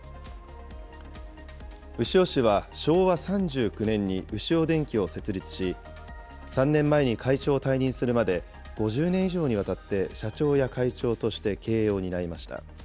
牛尾氏は昭和３９年にウシオ電機を設立し、３年前に会長を退任するまで、５０年以上にわたって社長や会長として経営を担いました。